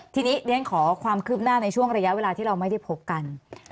ทีนี้เรียนขอความคืบหน้าในช่วงระยะเวลาที่เราไม่ได้พบกัน